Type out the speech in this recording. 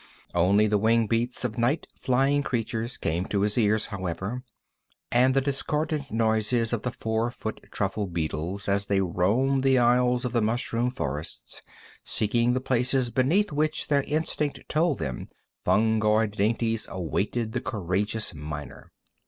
Only the wing beats of night flying creatures came to his ears, however, and the discordant noises of the four foot truffle beetles as they roamed the aisles of the mushroom forests, seeking the places beneath which their instinct told them fungoid dainties awaited the courageous miner.